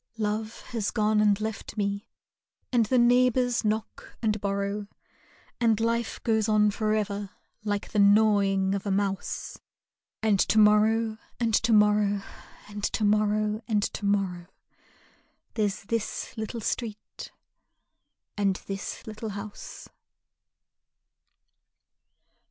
Love has gone and left me, and the neighbors knock and borrow, And life goes on forever like the gnawing of a mouse, And to morrow and to morrow and to morrow and to morrow There's this little street and this little house.